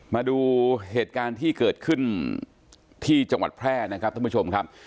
มาดูเหตุการณ์ที่เกิดขึ้นที่จังหวัดแพร่นะครับท่านผู้ชมครับ